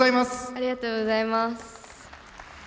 ありがとうございます。